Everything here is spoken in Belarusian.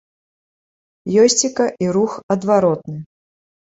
Ёсцека і рух адваротны.